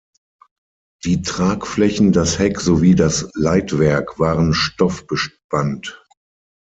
Die Tragflächen, das Heck sowie das Leitwerk waren stoffbespannt.